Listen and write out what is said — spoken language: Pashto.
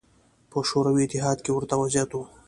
په شوروي اتحاد کې ورته وضعیت و